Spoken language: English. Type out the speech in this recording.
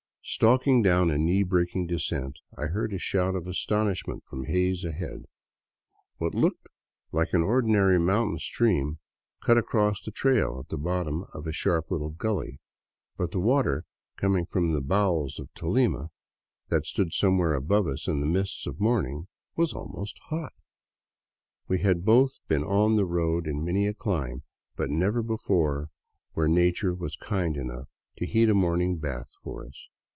Stalking down a knee breaking descent, I heard a shout of astonish ment from Hays ahead. What looked like an ordinary mountain stream cut across the trail at the bottom of a sharp little gully. But the water, coming from the bowels of Tolima that stood somewhere above us in the mists of morning, was almost hot. We had both been on the road in many a clime, but never before where nature was kind enough to heat a morning bath for us.